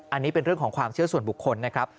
อันนี้เป็นเรื่องของความเชื่อส่วนบุคคลนะครับ